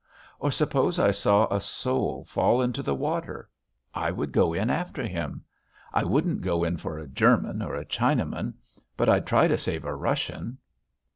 Or suppose I saw a soul fall into the water I would go in after him. I wouldn't go in for a German or a Chinaman, but I'd try to save a Russian."